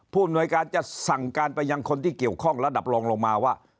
ผู้อำนวยการจะสั่งการไปยังคนที่เกี่ยวข้องระดับรองลงมาว่า